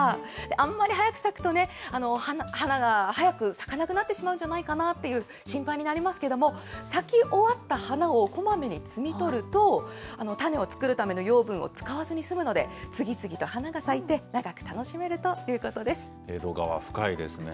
あんまり早く咲くとね、花が早く咲かなくなってしまうんじゃないかなっていう、心配になりますけども、咲き終わった花をこまめに摘み取ると、種を作るための養分を使わずに済むので、次々と花が咲いて、長く楽しめるということ江戸川、深いですね。